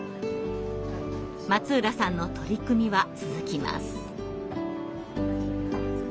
松浦さんの取り組みは続きます。